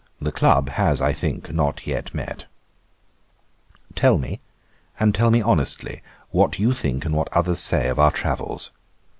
The club has, I think, not yet met. 'Tell me, and tell me honestly, what you think and what others say of our travels.